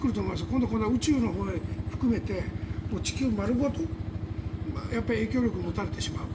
今度は宇宙のほうも含めて地球丸ごと影響力を持たれてしまう。